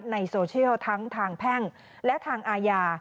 ในโซเชียลทั้งทางแพ่งและทางอาญา